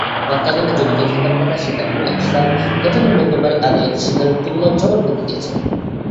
হত্যাকাণ্ডে জড়িত থাকার কথা স্বীকার করে আসলাম গতকাল মঙ্গলবার আদালতে স্বীকারোক্তিমূলক জবানবন্দি দিয়েছেন।